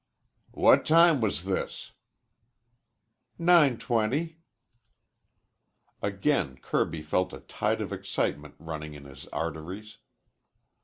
"What time was this?" "9.20." Again Kirby felt a tide of excitement running in his arteries.